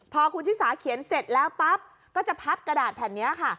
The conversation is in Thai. พอคุณชิสาเขียนเสร็จแล้วปั๊บก็จะพับกระดาษแผ่นนี้ค่ะ